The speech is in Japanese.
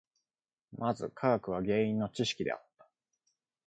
まず科学は原因の知識であった。